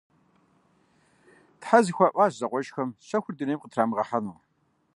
Тхьэ зэхуаӀуащ зэкъуэшхэм щэхур дунейм къытрамыгъэхьэну.